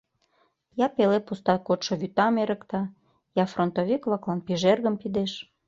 Я пеле пуста кодшо вӱтам эрыкта,я фронтовик-влаклан пижергым пидеш.